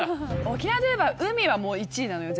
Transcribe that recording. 沖縄といえば海はもう１位なのよ絶対。